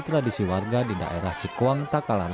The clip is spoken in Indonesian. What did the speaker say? tradisi warga di daerah cekuang takalar